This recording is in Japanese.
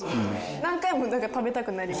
何回もなんか食べたくなります。